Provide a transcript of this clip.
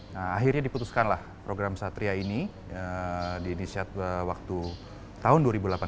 nah akhirnya diputuskanlah program satria ini di inisiat waktu tahun dua ribu delapan belas